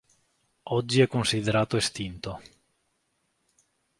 Oggi è considerato estinto.